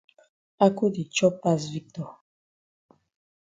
Ako di chop pass Victor.